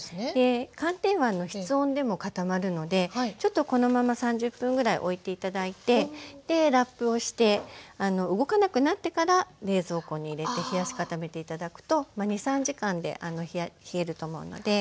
寒天は室温でも固まるのでちょっとこのまま３０分ぐらいおいて頂いてラップをして動かなくなってから冷蔵庫に入れて冷やし固めて頂くと２３時間で冷えると思うので。